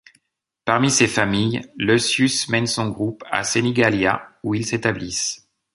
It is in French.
Parmi ces familles, Leucius mène son groupe à Senigallia, où ils s'établissent.